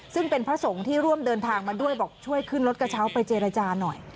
ซึ่งเป็นพระสงฆ์ที่ร่วมเดินทางมาด้วยบอกช่วยขึ้นรถกระเช้าไปเจรจาหน่อย